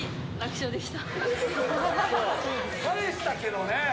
返したけどね。